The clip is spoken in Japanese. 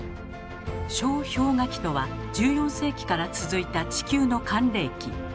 小氷河期とは１４世紀から続いた地球の寒冷期。